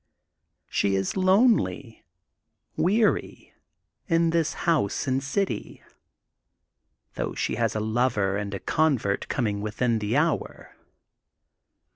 ^' She is lonely, weary, in this house and city, though she has a lover and a convert coming within the hour.